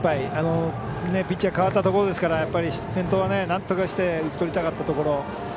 ピッチャー代わったところですから先頭は、なんとかして打ち取りたかったところ。